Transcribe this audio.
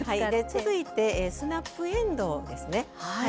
続いてスナップえんどうですね。